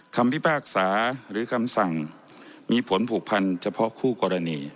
พิพากษาหรือคำสั่งมีผลผูกพันเฉพาะคู่กรณี